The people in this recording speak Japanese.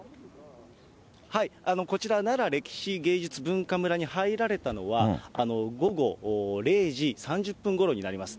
こちら、なら歴史芸術文化村に入られたのは、午後０時３０分ごろになります。